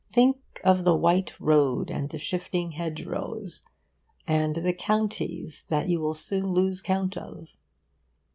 Think of the white road and the shifting hedgerows, and the counties that you will soon lose count of.